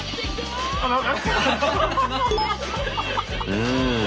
うん。